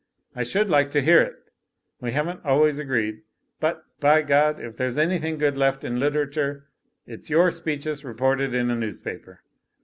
I should like to hear it We haven't always agreed ; but, by God, if there's znything good left in literature it's your speeches reported in a newspaper.